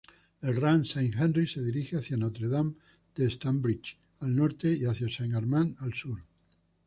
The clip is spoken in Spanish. El rang Saint-Henri se dirige hacia Notre-Dame-de-Stanbridge al norte y hacia Saint-Armand al sur.